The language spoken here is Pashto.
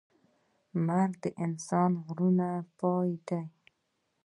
مرګ د انسان د غرور پای دی.